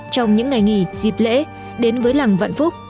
trong những ngày nghỉ dịp lễ đến với làng vạn phúc